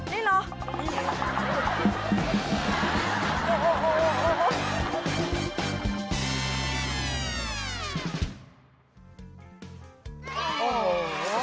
อ๋อนี่เหรอ